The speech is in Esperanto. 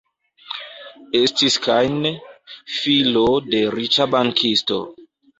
Estis Kahn, filo de riĉa bankisto.